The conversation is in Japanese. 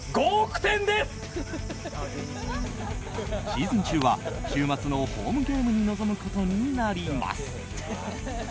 シーズン中は週末のホームゲームに臨むことになります。